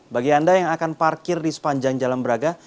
bagi anda yang akan parkir di sepanjang jalan braga